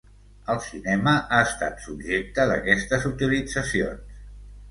El cinema ha estat subjecte d'aquestes utilitzacions.